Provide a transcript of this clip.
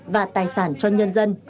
và tài sản cho nhân dân